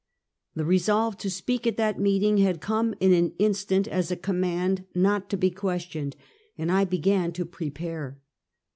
The resolve to speak at that meeting had come in an instant as a com mand not to be questioned, and I began to prepare.